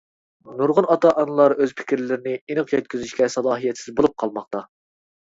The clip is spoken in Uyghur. نۇرغۇن ئاتا-ئانىلار ئۆز پىكىرلىرىنى ئېنىق يەتكۈزۈشكە سالاھىيەتسىز بولۇپ قالماقتا.